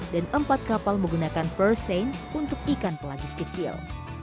dan empat kapal menggunakan furseine untuk ikan pelagis kecil